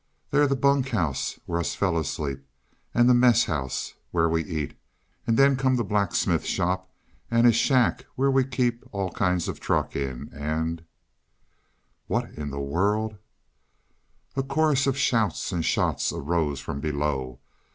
"They're the bunk house where us fellows sleep and the mess house, where we eat, and then come the blacksmith shop and a shack we keep all kinds of truck in, and " "What in the world " A chorus of shouts and shots arose from below.